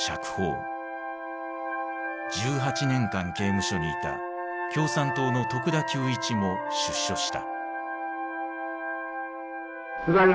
１８年間刑務所にいた共産党の徳田球一も出所した。